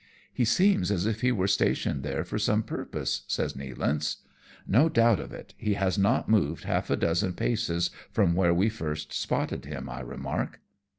" He seems as if he were stationed there for some purpose/' says Nealance. " No doubt of it ; he has not moved half a dozen paces from where we first spotted him," I remark.